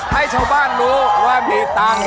ให้ชาวบ้านรู้ว่ามีตังค์